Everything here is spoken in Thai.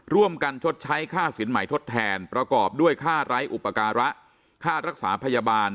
ชดใช้ค่าสินใหม่ทดแทนประกอบด้วยค่าไร้อุปการะค่ารักษาพยาบาล